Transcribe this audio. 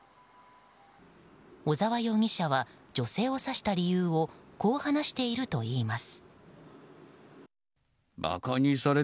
小沢容疑者は女性を刺した理由をこう話しているといいます。